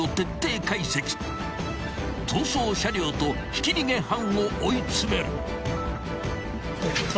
［逃走車両とひき逃げ犯を追い詰める］